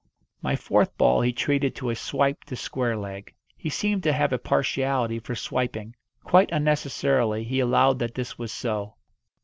My fourth ball he treated to a swipe to square leg. He seemed to have a partiality for swiping. Quite unnecessarily he allowed that this was so.